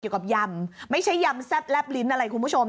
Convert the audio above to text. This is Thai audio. ยำไม่ใช่ยำแซ่บแลบลิ้นอะไรคุณผู้ชม